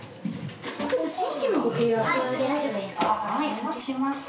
承知しました。